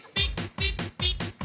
ピッ！